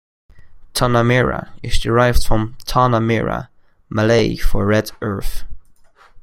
Tanamera is derived from "Tanah Merah", Malay for Red Earth.